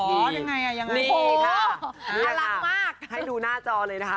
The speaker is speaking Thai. หรอยังไงอ่ะยังไงโอ้โหนี่ค่ะอารักมากให้ดูหน้าจอเลยนะคะ